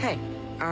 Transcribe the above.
ああ。